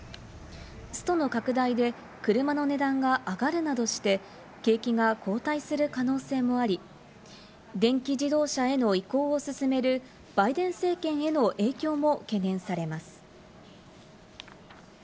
ストの拡大で車の値段が上がるなどして景気が後退する可能性もあり、電気自動車への移行を進めるバイデン政権への影響も懸念されます。